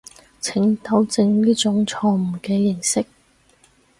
請糾正呢種錯誤嘅認識